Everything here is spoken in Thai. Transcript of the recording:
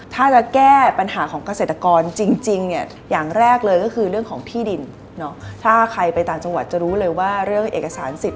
ถ้าใครไปต่างจังหวัดจะรู้เลยว่าเรื่องเอกสารสิทธิ์